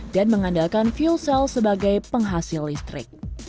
mengandalkan fuel cell sebagai penghasil listrik